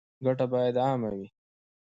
ګټه باید عامه وي